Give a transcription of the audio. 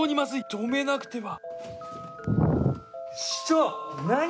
止めなくては。